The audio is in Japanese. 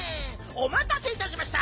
おまたせいたしました！